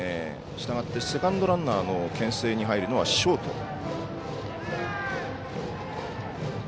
したがってセカンドランナーのけん制に入るのはショート。